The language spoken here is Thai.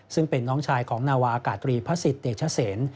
ซึ่งเป็นน้องชายของนาวาอากาศตรีพระสิทธิเดชเซน